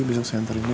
besok saya hantarin ya